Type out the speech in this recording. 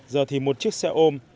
giờ thì một chiếc xe ôm